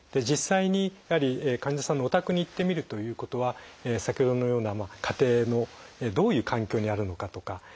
実際にやはり患者さんのお宅に行ってみるということは先ほどのような家庭のどういう環境にあるのかとか